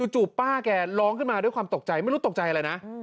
จู่ป้าแกร้องขึ้นมาด้วยความตกใจไม่รู้ตกใจอะไรนะ